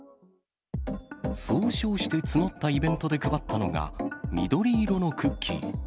そう称して募ったイベントで配ったのが、緑色のクッキー。